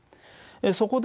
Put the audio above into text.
そこでね